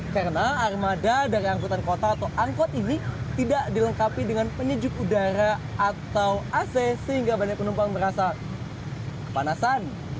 karena armada dari angkutan kota atau angkot ini tidak dilengkapi dengan penyijuk udara atau ac sehingga banyak penumpang merasa kepanasan